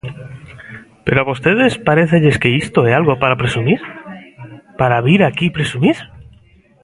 ¿Pero a vostedes parécelles que isto é algo para presumir, para vir aquí presumir?